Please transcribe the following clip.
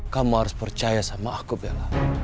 kamu harus percaya sama aku bella